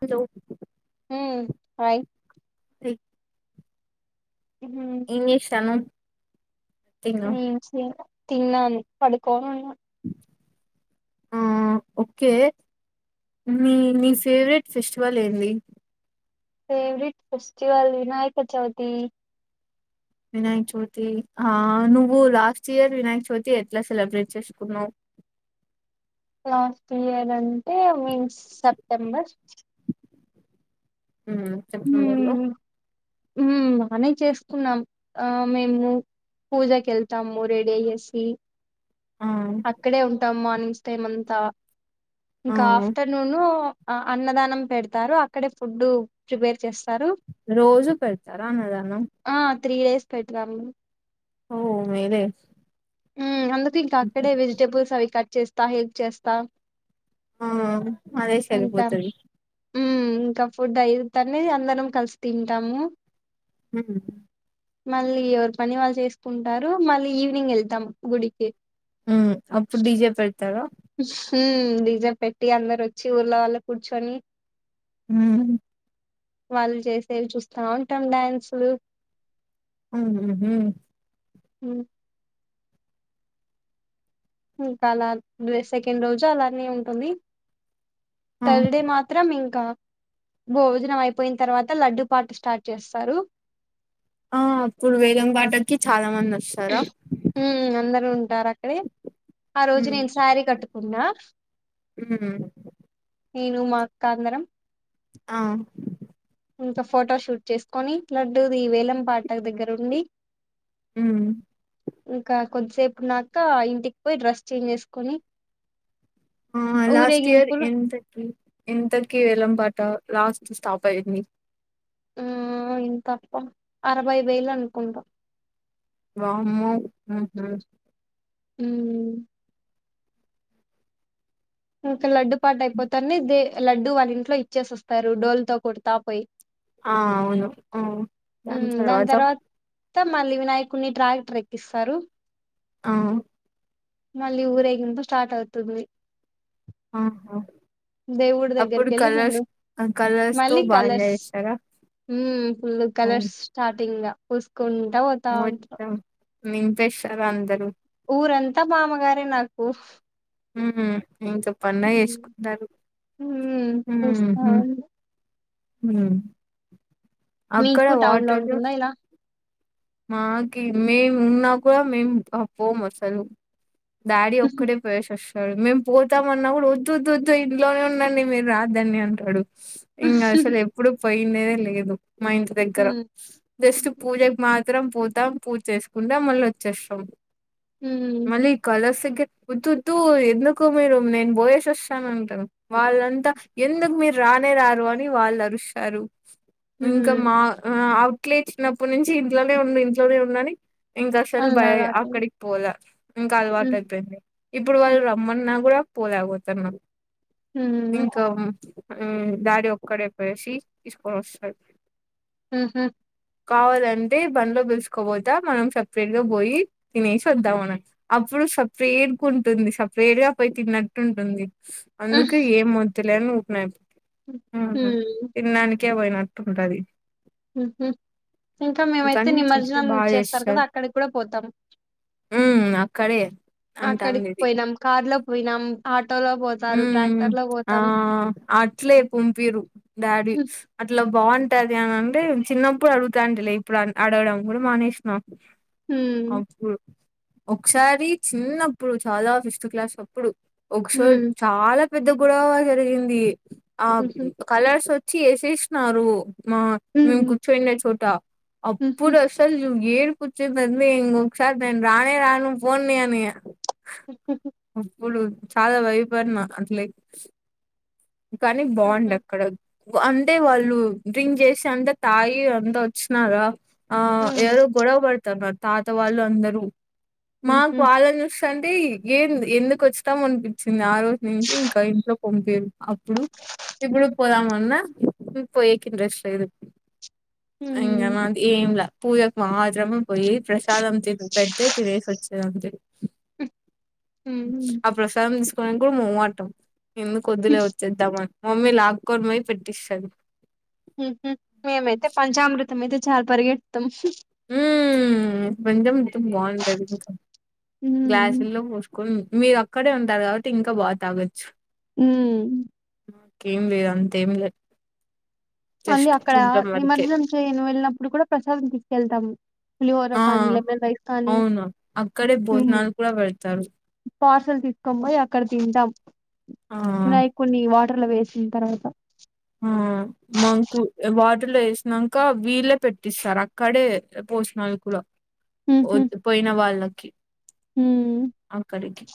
Hello హ్మ్ hi ఏం చేస్తాన్నవ్ ఏం చే తిన్నాను, పడుకోయిగ ఆ ఒక్కె, మీ మీ ఫేవరెట్ ఫెస్టివల్ ఏంది? Favourite festival Vinayaka Chavithi. వినాయక చవితి, ఆ నువ్వు లాస్ట్ ఇయర్ వినాయక చవితి ఎట్లా సెలబ్రేట్ చేసుకున్నావ్? లాస్ట్ ఇయర్ అంటే, మీన్స్ సెప్టెంబర్ ఉమ్ సెప్టెంబర్లో ఉమ్ బానే చేసుకున్నాం, ఆ మేము పూజాకి వెళ్తాము రెడీ అయ్యేసి. ఆ అక్కడే ఉంటాం మార్నింగ్స్ టైంతా ఆ ఇంకా ఆఫ్టర్నూను ఆ అన్నదానం పెడతారు అక్కడే ఫుడ్డు ప్రిపేర్ చేస్తా రోజూ పెడతారా అన్నదానం ఆ త్రీ డేస్ పెట్త ఓ మేర ఉ అ ఇంక అక్కడ వెజటబుల్స్ అవి కట్ చేస్త హెల్ప్ చేస్త ఆ అదే ఉంటాం చగిపోతుంది ఇంకా ఫుడ్ అయి అనేది అందరం కలిసి తింటాము హ మళ్ళీ ఎవరు పని వాళ్ళు చేసుకుంటారు మళ్ళీ ఈవినింగ్ వెళ్తు దమ్ గుడికి హ అప్పుడు డిజే పెడతారా డీజే పెట్టి అందరు వచ్చి ఊర్ళ వాళ్ళ కూర్చొని హ వాళ్ళు చేసేవి చూస్తా ఉంటాం డ్యాన్సులు ఆ హ్మ్ ఇంకా అలా సెకండ్ రోజు అలానే ఉంటుంది ఆ థర్డే మాత్రం ఇంకా భోజనం అయిపోయిన తర్వాత లడ్డు పాట స్టార్ట్ చేస్తారు ఆ అప్పుడు వేదంపాటకి చాలా మంది ఉ హ్మ్ అందరూ ఉంటు డార అక్కడే ఆ రోజు నేను శారీ కట్టుకున్నా [inaudible] హ్మ్మ్ నేను మా కాందరం ఆ ఇంకా ఫోటో షూట్ చేసుకొని లడ్డుది ఈ వేలం పాట దగ్గర ఉండి మ్మ్ ఇకా కొద్ధి సేపున్నాక ఇంటికి పోయి డ్రెస్ చేంజ్ చేసుకొని ఆ లాస్ట్ ఇయర్ ఊరేగింపులు ఎం తకి ఇంతకి వెళ్లం పాట లాస్ట్ స్టాప్ అయింది ఆ ఇం తప్ప అరవై వేలు అనుకుంటా వామ్మా ఉమ్ ఇంక లడ్డు పాట అయిపోతాంది దె లడ్డు వాళ్ళ ఇంట్లో ఇచ్చేసి వస్తారు డోల్తో కోడతా పోయి ఆ అవును ఆ దాని తర్వాత త్త మళ్ళీ వినాయకుడిని ట్రాక్టర్ ఎక్కిస్తారు ఆ మళ్ళి ఊరేగింపు స్టార్ట్ అవుతుంది ఆహా దేవుడి అప్పుడు దగ్గరికి వెళ్ళి కలర్స్ మళ్ళు కలర్స్ తో మళ్ళీ బా కలర్స్ ఎంజాయ్ చేసారా ఉమ్ ఫుళు కలర్స్ స్టార్టింగ్ గా పుస్క్ కుంట పోతా ఉంటరు మింతేషర అందరు ఊరంత మామగారే నాకు ఊహు ఇంక పండగ చేసుకుంటారు హ్మ్ చూస్తా ఉంది. హుమ్ అక్కడ మీకు టౌన్ లో వాటరు ఉంటుందా ఇలా మాకి మేము ఉన్నా కూడా మేమ్ పోం అసలు దాడి ఒక్కడే పోయే సుస్ పోతడు మేము పోతామన్నా కూడా వద్దు వద్దు ఇంట్లోనే ఉండండి మీరు రాద్దని అంటాడు ఇంకసలు ఎప్పుడు పోయిన్నదె లేేదు మ ఇంటి దగ్గర హ్మ్ జస్ట్ పూజ మా అందరం పోతాం పూజ చేసుకుంటాం మళ్ళీ వచ్చేస్తాం హ్మ్ మళ్లి ఈ కలర్స్ వద్దోద్దు ఎందుకు మీరు నేను బోయేసి వస్తానంటాను వాళ్ళంతా ఎందుకు మీరు రానే రారు అని వాళ్ళు అరుస్తారు ఇంక హ్మ్ మా అ ఇట్లే చిన్నప్పుడ్నుంచి ఇంట్లోనే ఉండండి మీరు ఇంట్లోనే ఉండండి ఇంకా అసలు అలా బయ్ అలాగే అక్కడికి పోల ఇంకా అలవాటు హ్మ్ అయిపోయింది ఇప్పుడు హ్మ్ వాళ్ళు రమ్మన్నా కూడా పోయ బోతున్నా ఇంక ఉమ్ ఆ డాడి ఒక్కడై పోయేసి తీసుకొని వస్తంది ఊహు కావలన్ అటే బండ్లో పిలుసుుకోపోతా మనం సపరేట్ గా పోయి తినేసి వద్దాం అన అప్పుడు సపరేట్ గ ఉంటుంది సపరేట్ గా పోయి తిన్నట్టు ఉంటుంది అందుకె ఏం తి. లె ఉన్నాయి ఉమ్ హ్మ్ తినడానికి ఎ పోయినట్టు ఉంటాది ఉహూ ఇంకా మేమైతే చేస్తే నిమజ్జనం బాగా చేస్తారు కదా అక్కడికి కూడా పోతాం హ్మ్. అక్కడే అక్కడికి పోయినాం కారు లో పోయినాం పా ఉమ్ ఆ అట్లే పంపిరు డాడీ అట్లా బాగుంటది అని అంటే చిన్నప్పుడు అడుగుతాంటలే ఇప్పుడు అడగడం కూడా మానేసినం హ్మ్ అప్పుడు ఒకసారి చిన్నప్పుడు చాలా ఫిఫ్త్ క్లాస్ అప్పుడు ఒకసారి హ్మ్ చాలా పెద్ద గొడ జరిగింది ఆ ఊహూ కలర్స్ వచ్చ చేసేసినారు మా మేము హ్మ్ కూర్చోయినా చోట ఊహూ అప్పుడు అసలు ఏడుపు వచ్చింది అంతే ఇంగోకసారి నేను రాణే రాను పోయాని ఊహూ ఉప్పులు చాలా వైపు రి నా అట్ల కానీ బాగుండే ఊహూ అక్కడ అంటే వాళ్ళు డ్రింక్ చేసి అంటే తాగి అంతా వచ్చినారా ఆ హ్మ్ ఎవరో గొడవ పడతండ్ర తాత వాళ్ళు అందరూ మాకు ఊహూ వాళ్లను చూసి అంటే ఏం ఎందుకు వచ్చినాం అనిపించి ఆ రోజు నుంచి ఇంకా ఇంట్లో పంపిరు అప్పుడు ఇప్పుడు పోదామన్నా పోయేకి ఇంట్రెస్ట్ లేదు ఇంగా హ్మ్. నాది ఏం లే పూజకు మాత్రమ పోయి ప్రసాదం తిని పెడితే తినేసి వచ్చేదని హ్మ్. ఆ ప్రశాంత స్వయంకూడ మోహమాటం ఎందుకొద్దులే వచ్చేద్దామని మమ్మీ లాక్కోనీ పోయి పెట్టిస్తాది ఉహూ మేమైతే పంచామృతం అయితే చాలా పరిగెడుతాం ఉమ్ కొంచం ఇ బాగుంటది ఇంకా హ్మ్. గ్లాసుల్లో పోసుకొని మీరు అక్కడే ఉంటారు కాబట్టి ఇంకా బాగా తాగచ్చు ఉమ్ కేం లేదు అంతేం లేదు మళ్ళీ జస్ట్ అక్కడ చూడడం వరకే నిమజ్జనం చేయని వెళ్ళినప్పుడు కూడా ప్రసాదం తీసుకెళ్తాము పులిహోర ఆ కానీ లెమన్ రైస్ కానీ అవును అక్కడే భోజనాలు కూడా పెడతారు పార్సల్ తీసుకొ పోయి అక్కడ తింటాం ఆ మనయి కొన్ని వ టర్ లో వేసిన తర్వాత ఆ మాకు వాటర్లో వేసినంక వీళ్ళే పెట్టిస్తారు అక్కడే పోసినాలు కూడా హమ్ హమ్ వద్ పోయిన వాళ్ళకి అక్కడికి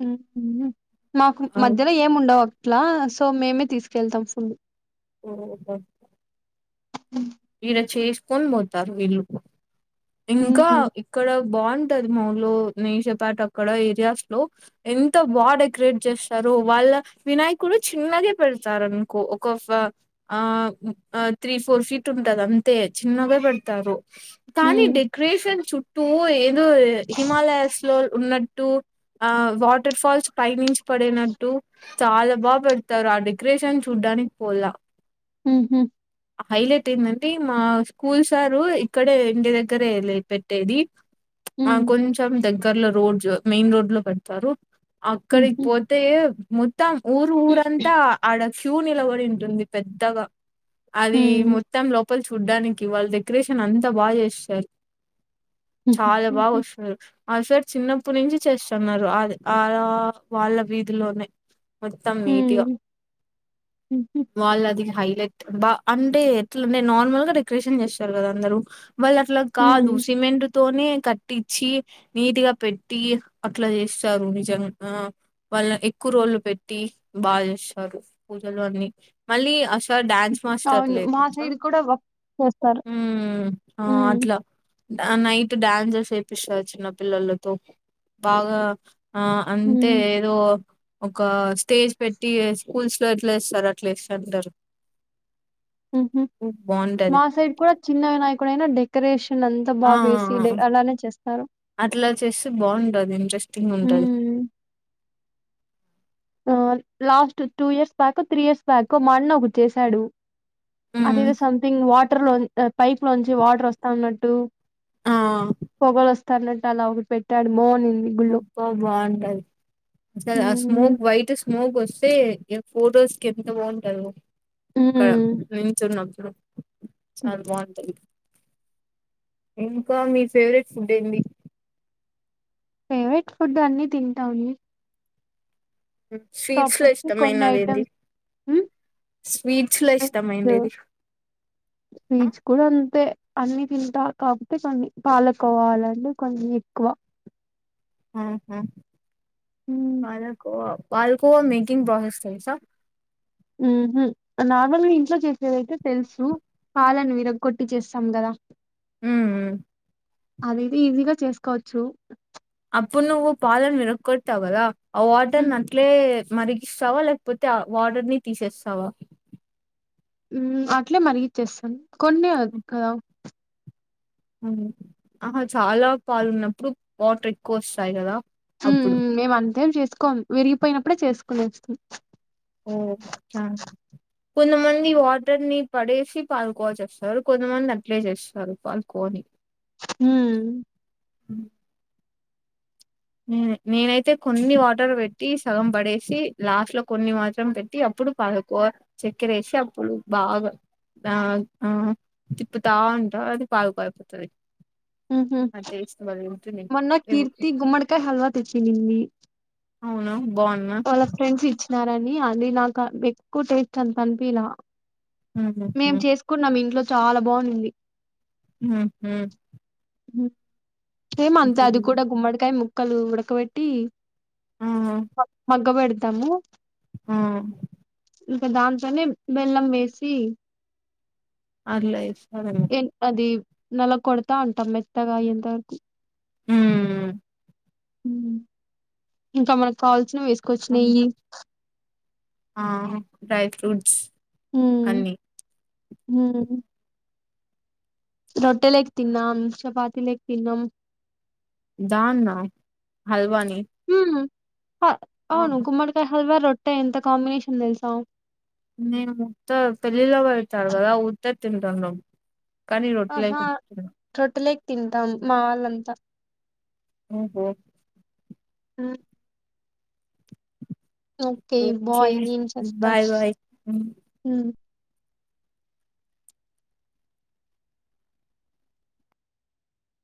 హామ్ [inaudible] మాకు మధ్యలో ఏము ఉండవు అట్లా సో మేమే తీసుకెళ్తాం ఫుల్ [inaudible] అ ఇడ చేసుకొని పోతారు వీళ్ళు హ్మ్. ఇంకా ఇక్కడ బాగుంటది [inaudible] నేషపాట అక్కడ ఏరియాస్ లో ఎంత బాగా డెకరేట్ చేస్తారో వాళ్ళ వినాయకుడు చిన్నగే పెడతారు అనుకో ఒక ఫ ఆ ఆ త్రీ ఫోర్ ఫీ ట్ ఉంటది అంతే చిన్నగా పెడతారు కాని హ్మ్. డెకరేషన్ చుట్ టూ ఏదో ఏ హిమాలయాస్ లో ఉన్నట్ టు ఆ వాటర్ ఫాల్స్ పైనించి పడినట్టు చాలా బాగా పెడతారు ఆ డెకరేషన్ చూడ్డానికి పోల్లా హమ్ హమ్ టెందంటే మా స్కూల్ సారు ఇక్కడే ఇంటి దగ్గరేలే పెట్టేది ఆ హ్మ్. కొంచెం దగ్ గర్ లో రోజ్ మెయిన్ రోడ్ లో పెడతారు అక్కడికి హుహు. పోతే మొత్తం ఊరు హ్మ్. ఊరంతా ఆడ ఫ్యూ నిలబడి ఉంటుంది పెద్దగా అది హుహు. మోత్ లోపల చూడ్డానికి వాళ్ళు డెకరేషన్ అంతా బాగా చేస్తారు చాలా బాగా హుహు. వస్తున్నారు ఆ సైడ్ చిన్నప్పుటి నుంచి చేస్ తున్నారు అది ఆడ వాళ్ళ వీధిలోనే మొత్తం నీటిగా హ్మ్ హుహు. వాళ్ళది అన్ హైలెట్ బా అంటే అట్లానే నార్మల్గా డెకరేషన్ చేస్తారు కదా అందరు వాళ్ళు అట్ల కాదు హ్మ్. సిమెంట్ తోనే కట్టించి నీటిగా పెట్టి అట్లా చేస్తారు నిజంగా ఆ వాళ్ళ ఎక్కువ రోజులు పెట్టి బాగా చేస్తారు పూజలు అన్ని మళ్ళీ అసలు డ్యాన్స్ మాస్టర్ లే ఇది కూడా వక్ చేస్తారు ఉమ్ ఆ ఊ అట్లా నైట్ డ్యాన్సెస్ చేపిస్తారు చిన్న పిల్లలతో బాగా ఆ అంటే హ్మ్. ఏదో ఒక స్టేజ్ పెట్టి స్కూల్స్ లో ఎట్లా ఏస్తారు అట్లేస్తాంటారు ఉహు మాసైడ్ కూడా చిన్న గా నైట్ ఇక్కడైనా డెకరేషన్ అంతా బా ఆ వేసి డె అలానే చేస్తారు. అట్ల చేస్తే బాగుంటది ఇంట్రెస్టింగ్ ఉంటది హ్మ్. ఆ లాస్ట్ టూ ఇయర్స్ బ్యాకో త్రీ ఇయర్స్ బ్యాకో మా అన్న ఒకటి చేసాడు అది హ్మ్. ఏదో సంథింగ్ వాటర్ లోని పైప్ లోంచి వాటర్ వస్తా ఉన్నట్టు ఆ! పొగలస్ స్తానట్టు అలా ఒక పెట్టాడు మోన్ అబ్బా బాగుంటది అస ఆ హ్మ్. స్మూక్ వైట్ స్ స్మూక్ వస్తే ఇగ ఫోటోస్ కి ఎంత బాగుంటదొ అక్కడ హ్మ్. నించ్చున్న [unintelligible] చాలా బాగుంటది ఇంకా మీ ఫేవరెట్ ఫుడ్ ఏంది ఫేవరెట్ ఫుడ్ అన్ని తింటాను స్వీట్స్‌లో ప్రాపర్ గా కొన్ని ఇష్టమైనదేంది? ఐటమ్స్ ఊ స్వీట్స్‌లో స్వీట్ ఇష్టమైనదేది? ఆ! స్వీట్స్ కూడా అంతే అన్ని తింటా కాకపోతే కొన్ని పాలుకోవా అలాంటివి కొన్ని ఎక్కువ ఆ హా పాలకోవా పాలకోవా మెకింగ్ బాసెస్ తెలుసా ఊహు నార్మల్గా ఇంట్లో చేసేదైతే తెలుసు పాలను విరగ్గొట్టి చేస్తాం కదా ఉ ఉ అది అయితే ఈజీగా చేసుకోవచ్చు ఇప్పుడు నువ్వు పాలను విరకొడతావు కదా ఆ వాటర్ ఉమ్ నట్లే మరిగిస్తావా లేకపోతే ఆ వాటర్ ని తీసేస్తావా ఊ అట్లే మరిగిచ్చేస్తాను కొన్నె అక్ హ్మ్. కదా ఆహా చాలా పాలు ఉన్నప్పుడు వాటర్ ఎక్కువ వస్తాయి కదా ఉ ఉ మేము అంతేం చేసుకుం కోమ్ విరిగిపోయినప్పుడే చేసుకొని ఏస్తం ఓహో అచ్చ కొంతమంది వాడర్ని పడేసి పాల్ కోవ చేస్తారు కొంతమంది అట్లే చేస్తారు పాల్ కోవ ని హ్మ్ హ నే నేనైతే కొన్ని వాటర్ పెట్టి సగం పడేసి లాస్ట్ లో కొన్ని మాత్రం పెట్టి అప్పుడు పాలకోవా, చక్కెర వేసి అప్పుడు బాగా ఆ తిప్పుతా ఉంటా, అది పాలకోవా అయిపోతది. ఉహు మాకు తెలుసు మొన్న [unintelligible] కీర్తి [unintelligible] గుమ్మడికాయ, హల్వా తెచ్చింది. అవునా బాగుందా నారణని అది నాకు ఎక్కువ టేస్ట్ అంత అనిపియలే హుహుహు. మేం చేసుకున్నాం ఇంట్లో చాలా బాగుంనింది. హ్మ్ ఉ హ ఎహెమంతే అది కూడా గుమ్మడకాయ ముక్ ముక్కలు ఉడకబెట్టి ఆహా! మంగ పెడ్తారు దమ్ము ఆ ఇంకా దాంతోనే బెల్లం వేసి అట్లా చెప్ ఎన్ అది నెల కొడతా అంటాం. మెత్తగా అయ్యేతావరకు హ్మ్ ఇంకా మనకు కావాల్సిన వేస్ కొచ్చినాయ్ ఆహా డ్రై ఫ్రూట్స్ అన్ని హ్మ్ రొట్టెలక్ తిన్నాం. చపాతి లక్ తిన్నాం. దాన్న ఆ హల్వాని హ్మ్. అవును గుమ్మడికాయ హల్వ రొ అంటే ఎంత కాంబినేషన్ తెలుసా నేను ముత్త పెళ్ళిలకీ పెడతారు కదా ఉత్తది తింటాను. ఆహా రోట్టే లే తింటాం. మా వాళ్ళంతా ఆఓహ హ్మ్ ఓకే బాయ్ బాయ్ బాయ్ ఉమ్. [unintelligible]